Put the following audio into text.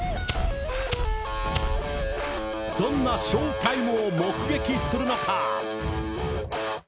どんなショータイムを目撃するのか。